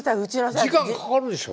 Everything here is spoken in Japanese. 時間かかるでしょ？